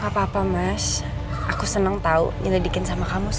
gak apa apa mas aku senang tahu yang didikin sama kamu sir